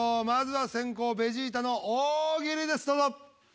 まずは先攻ベジータの大喜利ですどうぞ。